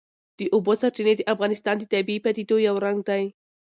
د اوبو سرچینې د افغانستان د طبیعي پدیدو یو رنګ دی.